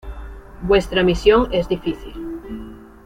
Vuestra misión es difícil.